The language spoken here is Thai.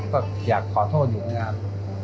ก็อยากขอโทษอยู่นะครับ